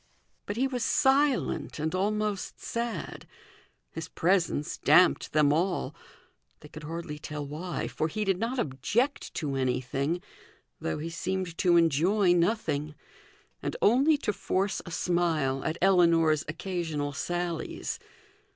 But he was silent, and almost sad: his presence damped them all; they could hardly tell why, for he did not object to anything, though he seemed to enjoy nothing, and only to force a smile at Ellinor's occasional sallies.